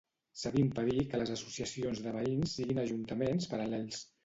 S'ha d'impedir que les associacions de veïns siguin ajuntaments paral·lels.